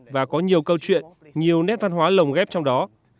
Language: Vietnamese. và có nhiều câu chuyện nhiều nét văn hóa lồng ghép trong đó